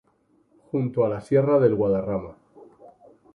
Junto a la sierra del Guadarrama.